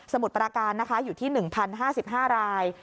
มุดปราการนะคะอยู่ที่๑๐๕๕ราย